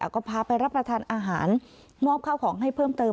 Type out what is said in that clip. ก็พาไปรับประทานอาหารมอบข้าวของให้เพิ่มเติม